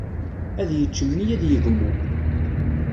Ad yečč mmi ad yegmu.